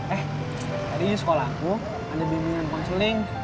eh tadi di sekolahku ada pembimbingan konseling